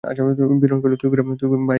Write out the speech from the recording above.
বিনয় কহিল, ভাই গোরা, আজ সোমবার।